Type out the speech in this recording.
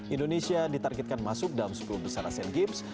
indonesia ditargetkan masuk dalam sepuluh besar asean games